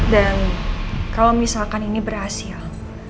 dan kalau misalkan ini berhasil